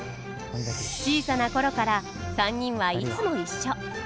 小さな頃から３人はいつも一緒。